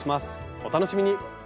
お楽しみに。